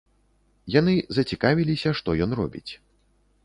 Яны зацікавіліся, што ён робіць.